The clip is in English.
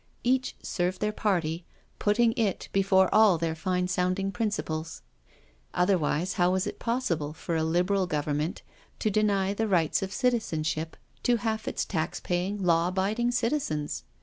Each served their party, putting it before all their fine sounding principles. Otherwise how was it possible for a Liberal Government to deny the rights of citizenship to half its i86 NO SURRENDER tax paying, law abiding citizens?